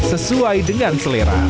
sesuai dengan sebuah kemampuan